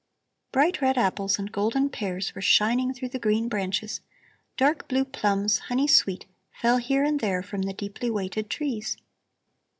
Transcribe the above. Bright red apples and golden pears were shining through the green branches; dark blue plums, honey sweet, fell here and there from the deeply weighted trees.